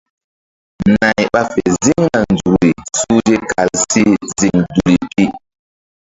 Nay ɓa fe ziŋna nzukri suhze kal si ziŋ duli pi.